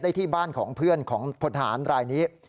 ที่บ้านของเพื่อนของพลทหารรายนี้